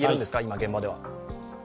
現場では。